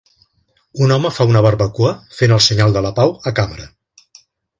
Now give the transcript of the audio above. Un home fa una barbacoa fent el senyal de la pau a càmera